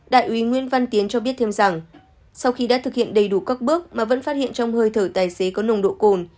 đại úy nguyễn văn tiến cho biết thêm rằng sau khi đã thực hiện đầy đủ các bước mà vẫn phát hiện trong hơi thở tài xế có nồng độ cồn